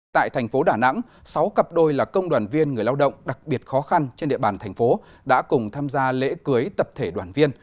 tại thành phố đà nẵng sáu cặp đôi là công đoàn viên người lao động đặc biệt khó khăn trên địa bàn thành phố đã cùng tham gia lễ cưới tập thể đoàn viên